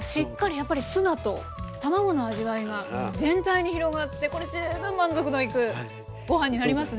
やっぱりツナと卵の味わいが全体に広がってこれ十分満足のいくごはんになりますね。